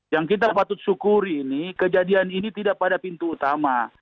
yang kita patut syukuri ini kejadian ini tidak pada pintu utama